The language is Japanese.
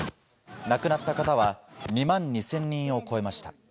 亡くなった方は２万２０００人を超えました。